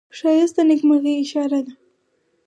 ښایست د نیکمرغۍ اشاره ده